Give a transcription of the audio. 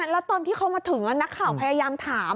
แล้วตอนที่เขามาถึงนักข่าวพยายามถาม